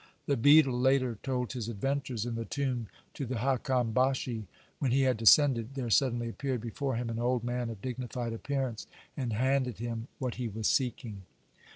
The beadle later told his adventures in the tomb to the Hakam Bashi. When he had descended, there suddenly appeared before him an old man of dignified appearance, and handed him what he was seeking.